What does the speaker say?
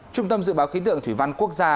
trung tâm dự báo khí tượng thủy văn quốc gia